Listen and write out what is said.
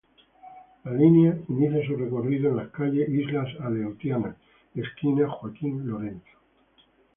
La línea inicia su recorrido en la calle Islas Aleutianas esquina Joaquín Lorenzo.